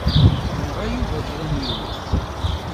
Yenɣa Yuba kra n yiwet.